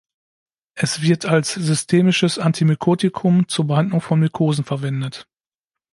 Es wird als systemisches Antimykotikum zur Behandlung von Mykosen verwendet.